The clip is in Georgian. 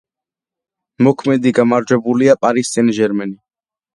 მოქმედი გამარჯვებულია „პარი სენ-ჟერმენი“.